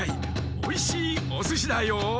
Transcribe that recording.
おいしいおすしだよ。